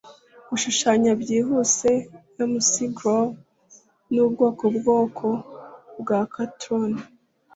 Gushushanya Byihuse McGraw Nubwoko bwoko bwa Cartoon